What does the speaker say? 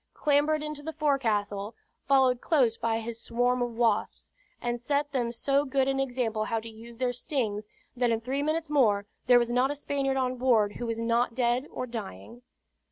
clambered into the forecastle, followed close by his swarm of wasps, and set them so good an example how to use their stings, that in three minutes more there was not a Spaniard on board who was not dead or dying.